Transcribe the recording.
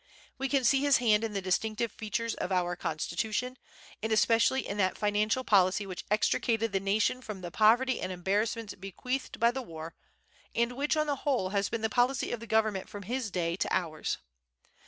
We can see his hand in the distinctive features of our Constitution, and especially in that financial policy which extricated the nation from the poverty and embarrassments bequeathed by the war, and which, on the whole, has been the policy of the Government from his day to ours.